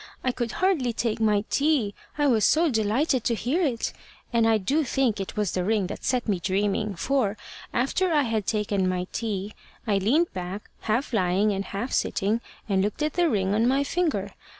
I could hardly take my tea, I was so delighted to hear it; and I do think it was the ring that set me dreaming; for, after I had taken my tea, I leaned back, half lying and half sitting, and looked at the ring on my finger.